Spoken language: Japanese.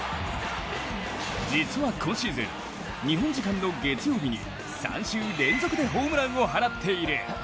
実は今シーズン、日本時間の月曜日に３週連続でホームランを放っている。